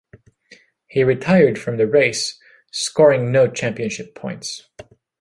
He retired from the race, scoring no championship points.